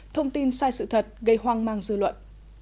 thông tin sai sự thật gây hoang mang dư luận